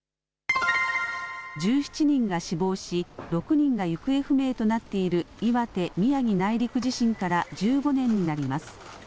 １７人が死亡し、６人が行方不明となっている、岩手・宮城内陸地震から１５年になります。